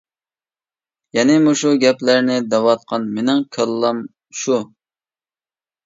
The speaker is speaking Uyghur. يەنى مۇشۇ گەپلەرنى دەۋاتقان مېنىڭ كاللام شۇ.